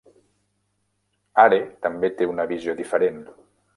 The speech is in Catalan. Hare també té una visió diferent.